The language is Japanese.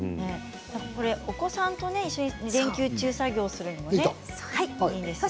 お子さんと一緒に連休中に作業するのいいですよね。